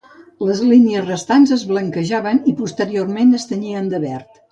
Les línies restants es blanquejaven i posteriorment es tenyien de verd.